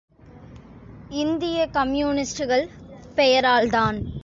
இந்திய கம்யூனிஸ்டுகள் பெயரால்தான்.